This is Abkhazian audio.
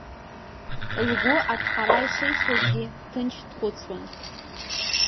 Лгәы аҭҳара ишеисуазгьы, ҭынч дхәыцуан.